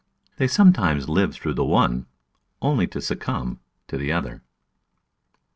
They sometimes live through the one only to suc cumb to the other.